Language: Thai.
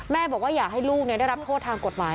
บอกว่าอยากให้ลูกได้รับโทษทางกฎหมาย